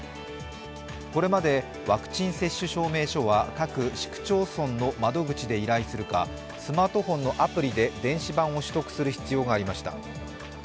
これまでワクチン接種証明書は、各市区町村の窓口で依頼するかスマートフォンのアプリで電子版を取得する必要がありました。